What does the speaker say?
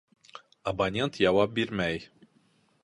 Абонент яуап бирмәй